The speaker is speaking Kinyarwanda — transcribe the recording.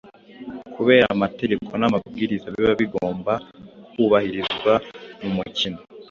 Kubera amategeko n’amabwiriza biba bigomba kubahirizwa mu mukino,